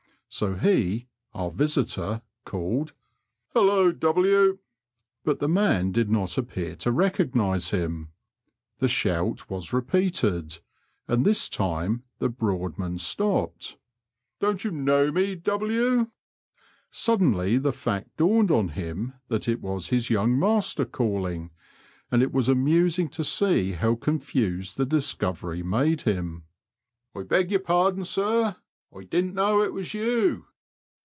So he (our visitor) called, " Hullo, W 1 " But the man did not appear to recognise him. The shout was repeated, and this time the broadman stopped. Don't you know me, W ?" Suddenly the fact dawned on him that it was his young master calling, and it was amusing to see how con fused the discovery made him. '* I beg your pardon, sir ; I didn't know it was you."